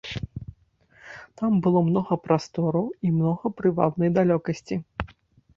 Там было многа прастору і многа прывабнай далёкасці.